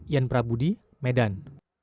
ian prabudi medan